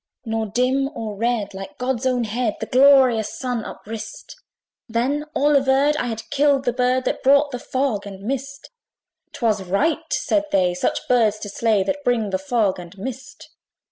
Nor dim nor red, like God's own head, The glorious Sun uprist: Then all averred, I had killed the bird That brought the fog and mist. 'Twas right, said they, such birds to slay, That bring the fog and mist.